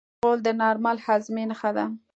غول د نارمل هاضمې نښه ده.